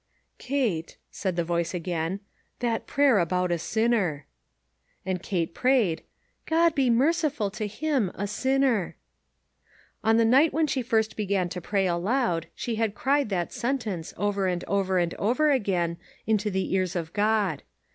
" Kate," said the voice again, " that prayer about a sinner." And Kate prayed :" God be merciful to him a sinner." On the night when she first began to pray aloud, she had cried that sentence, over and over, arid over again, into the ears of God.